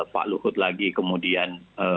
pak luhut lagi kemudian